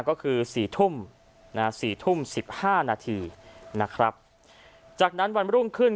ก็คือสี่ทุ่มนะฮะสี่ทุ่มสิบห้านาทีนะครับจากนั้นวันรุ่งขึ้น